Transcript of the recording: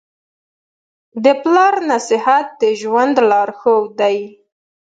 د پلار نصیحت د ژوند لارښود دی.